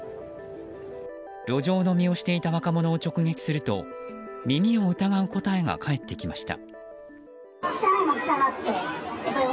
路上飲みをしていた若者を直撃すると耳を疑う答えが返ってきました。